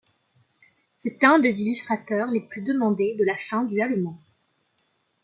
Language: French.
C'est un des illustrateurs les plus demandés de la fin du allemand.